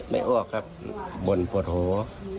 อ้วกครับบ่นปวดหัว